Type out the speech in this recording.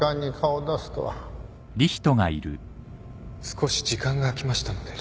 少し時間が空きましたので。